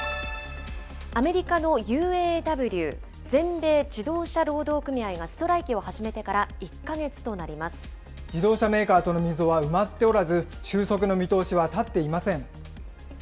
アメリカのＵＡＷ・全米自動車労働組合がストライキを始めてから自動車メーカーとの溝は埋まっておらず、収束の見通しは立っていません。